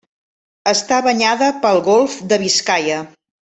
Està banyada pel golf de Biscaia.